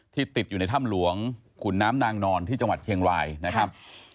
ติดอยู่ในถ้ำหลวงขุนน้ำนางนอนที่จังหวัดเชียงรายนะครับ